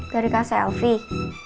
dari kak selfie